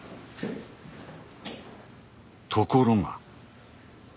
ところが。